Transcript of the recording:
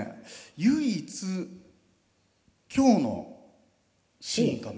唯一今日のシーンかな。